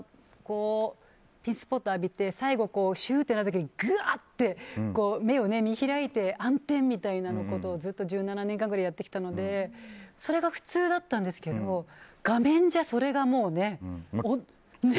ピンスポット浴びて最後シューッとなった時にぐわ！って目を見開いて暗転みたいなことをずっと１７年間ぐらいやってきたのでそれが普通だったんですけど画面じゃ、それがね。